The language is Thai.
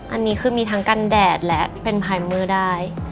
อันนี้คือมีทั้งกันแดดและเป็นพายเมอร์ได้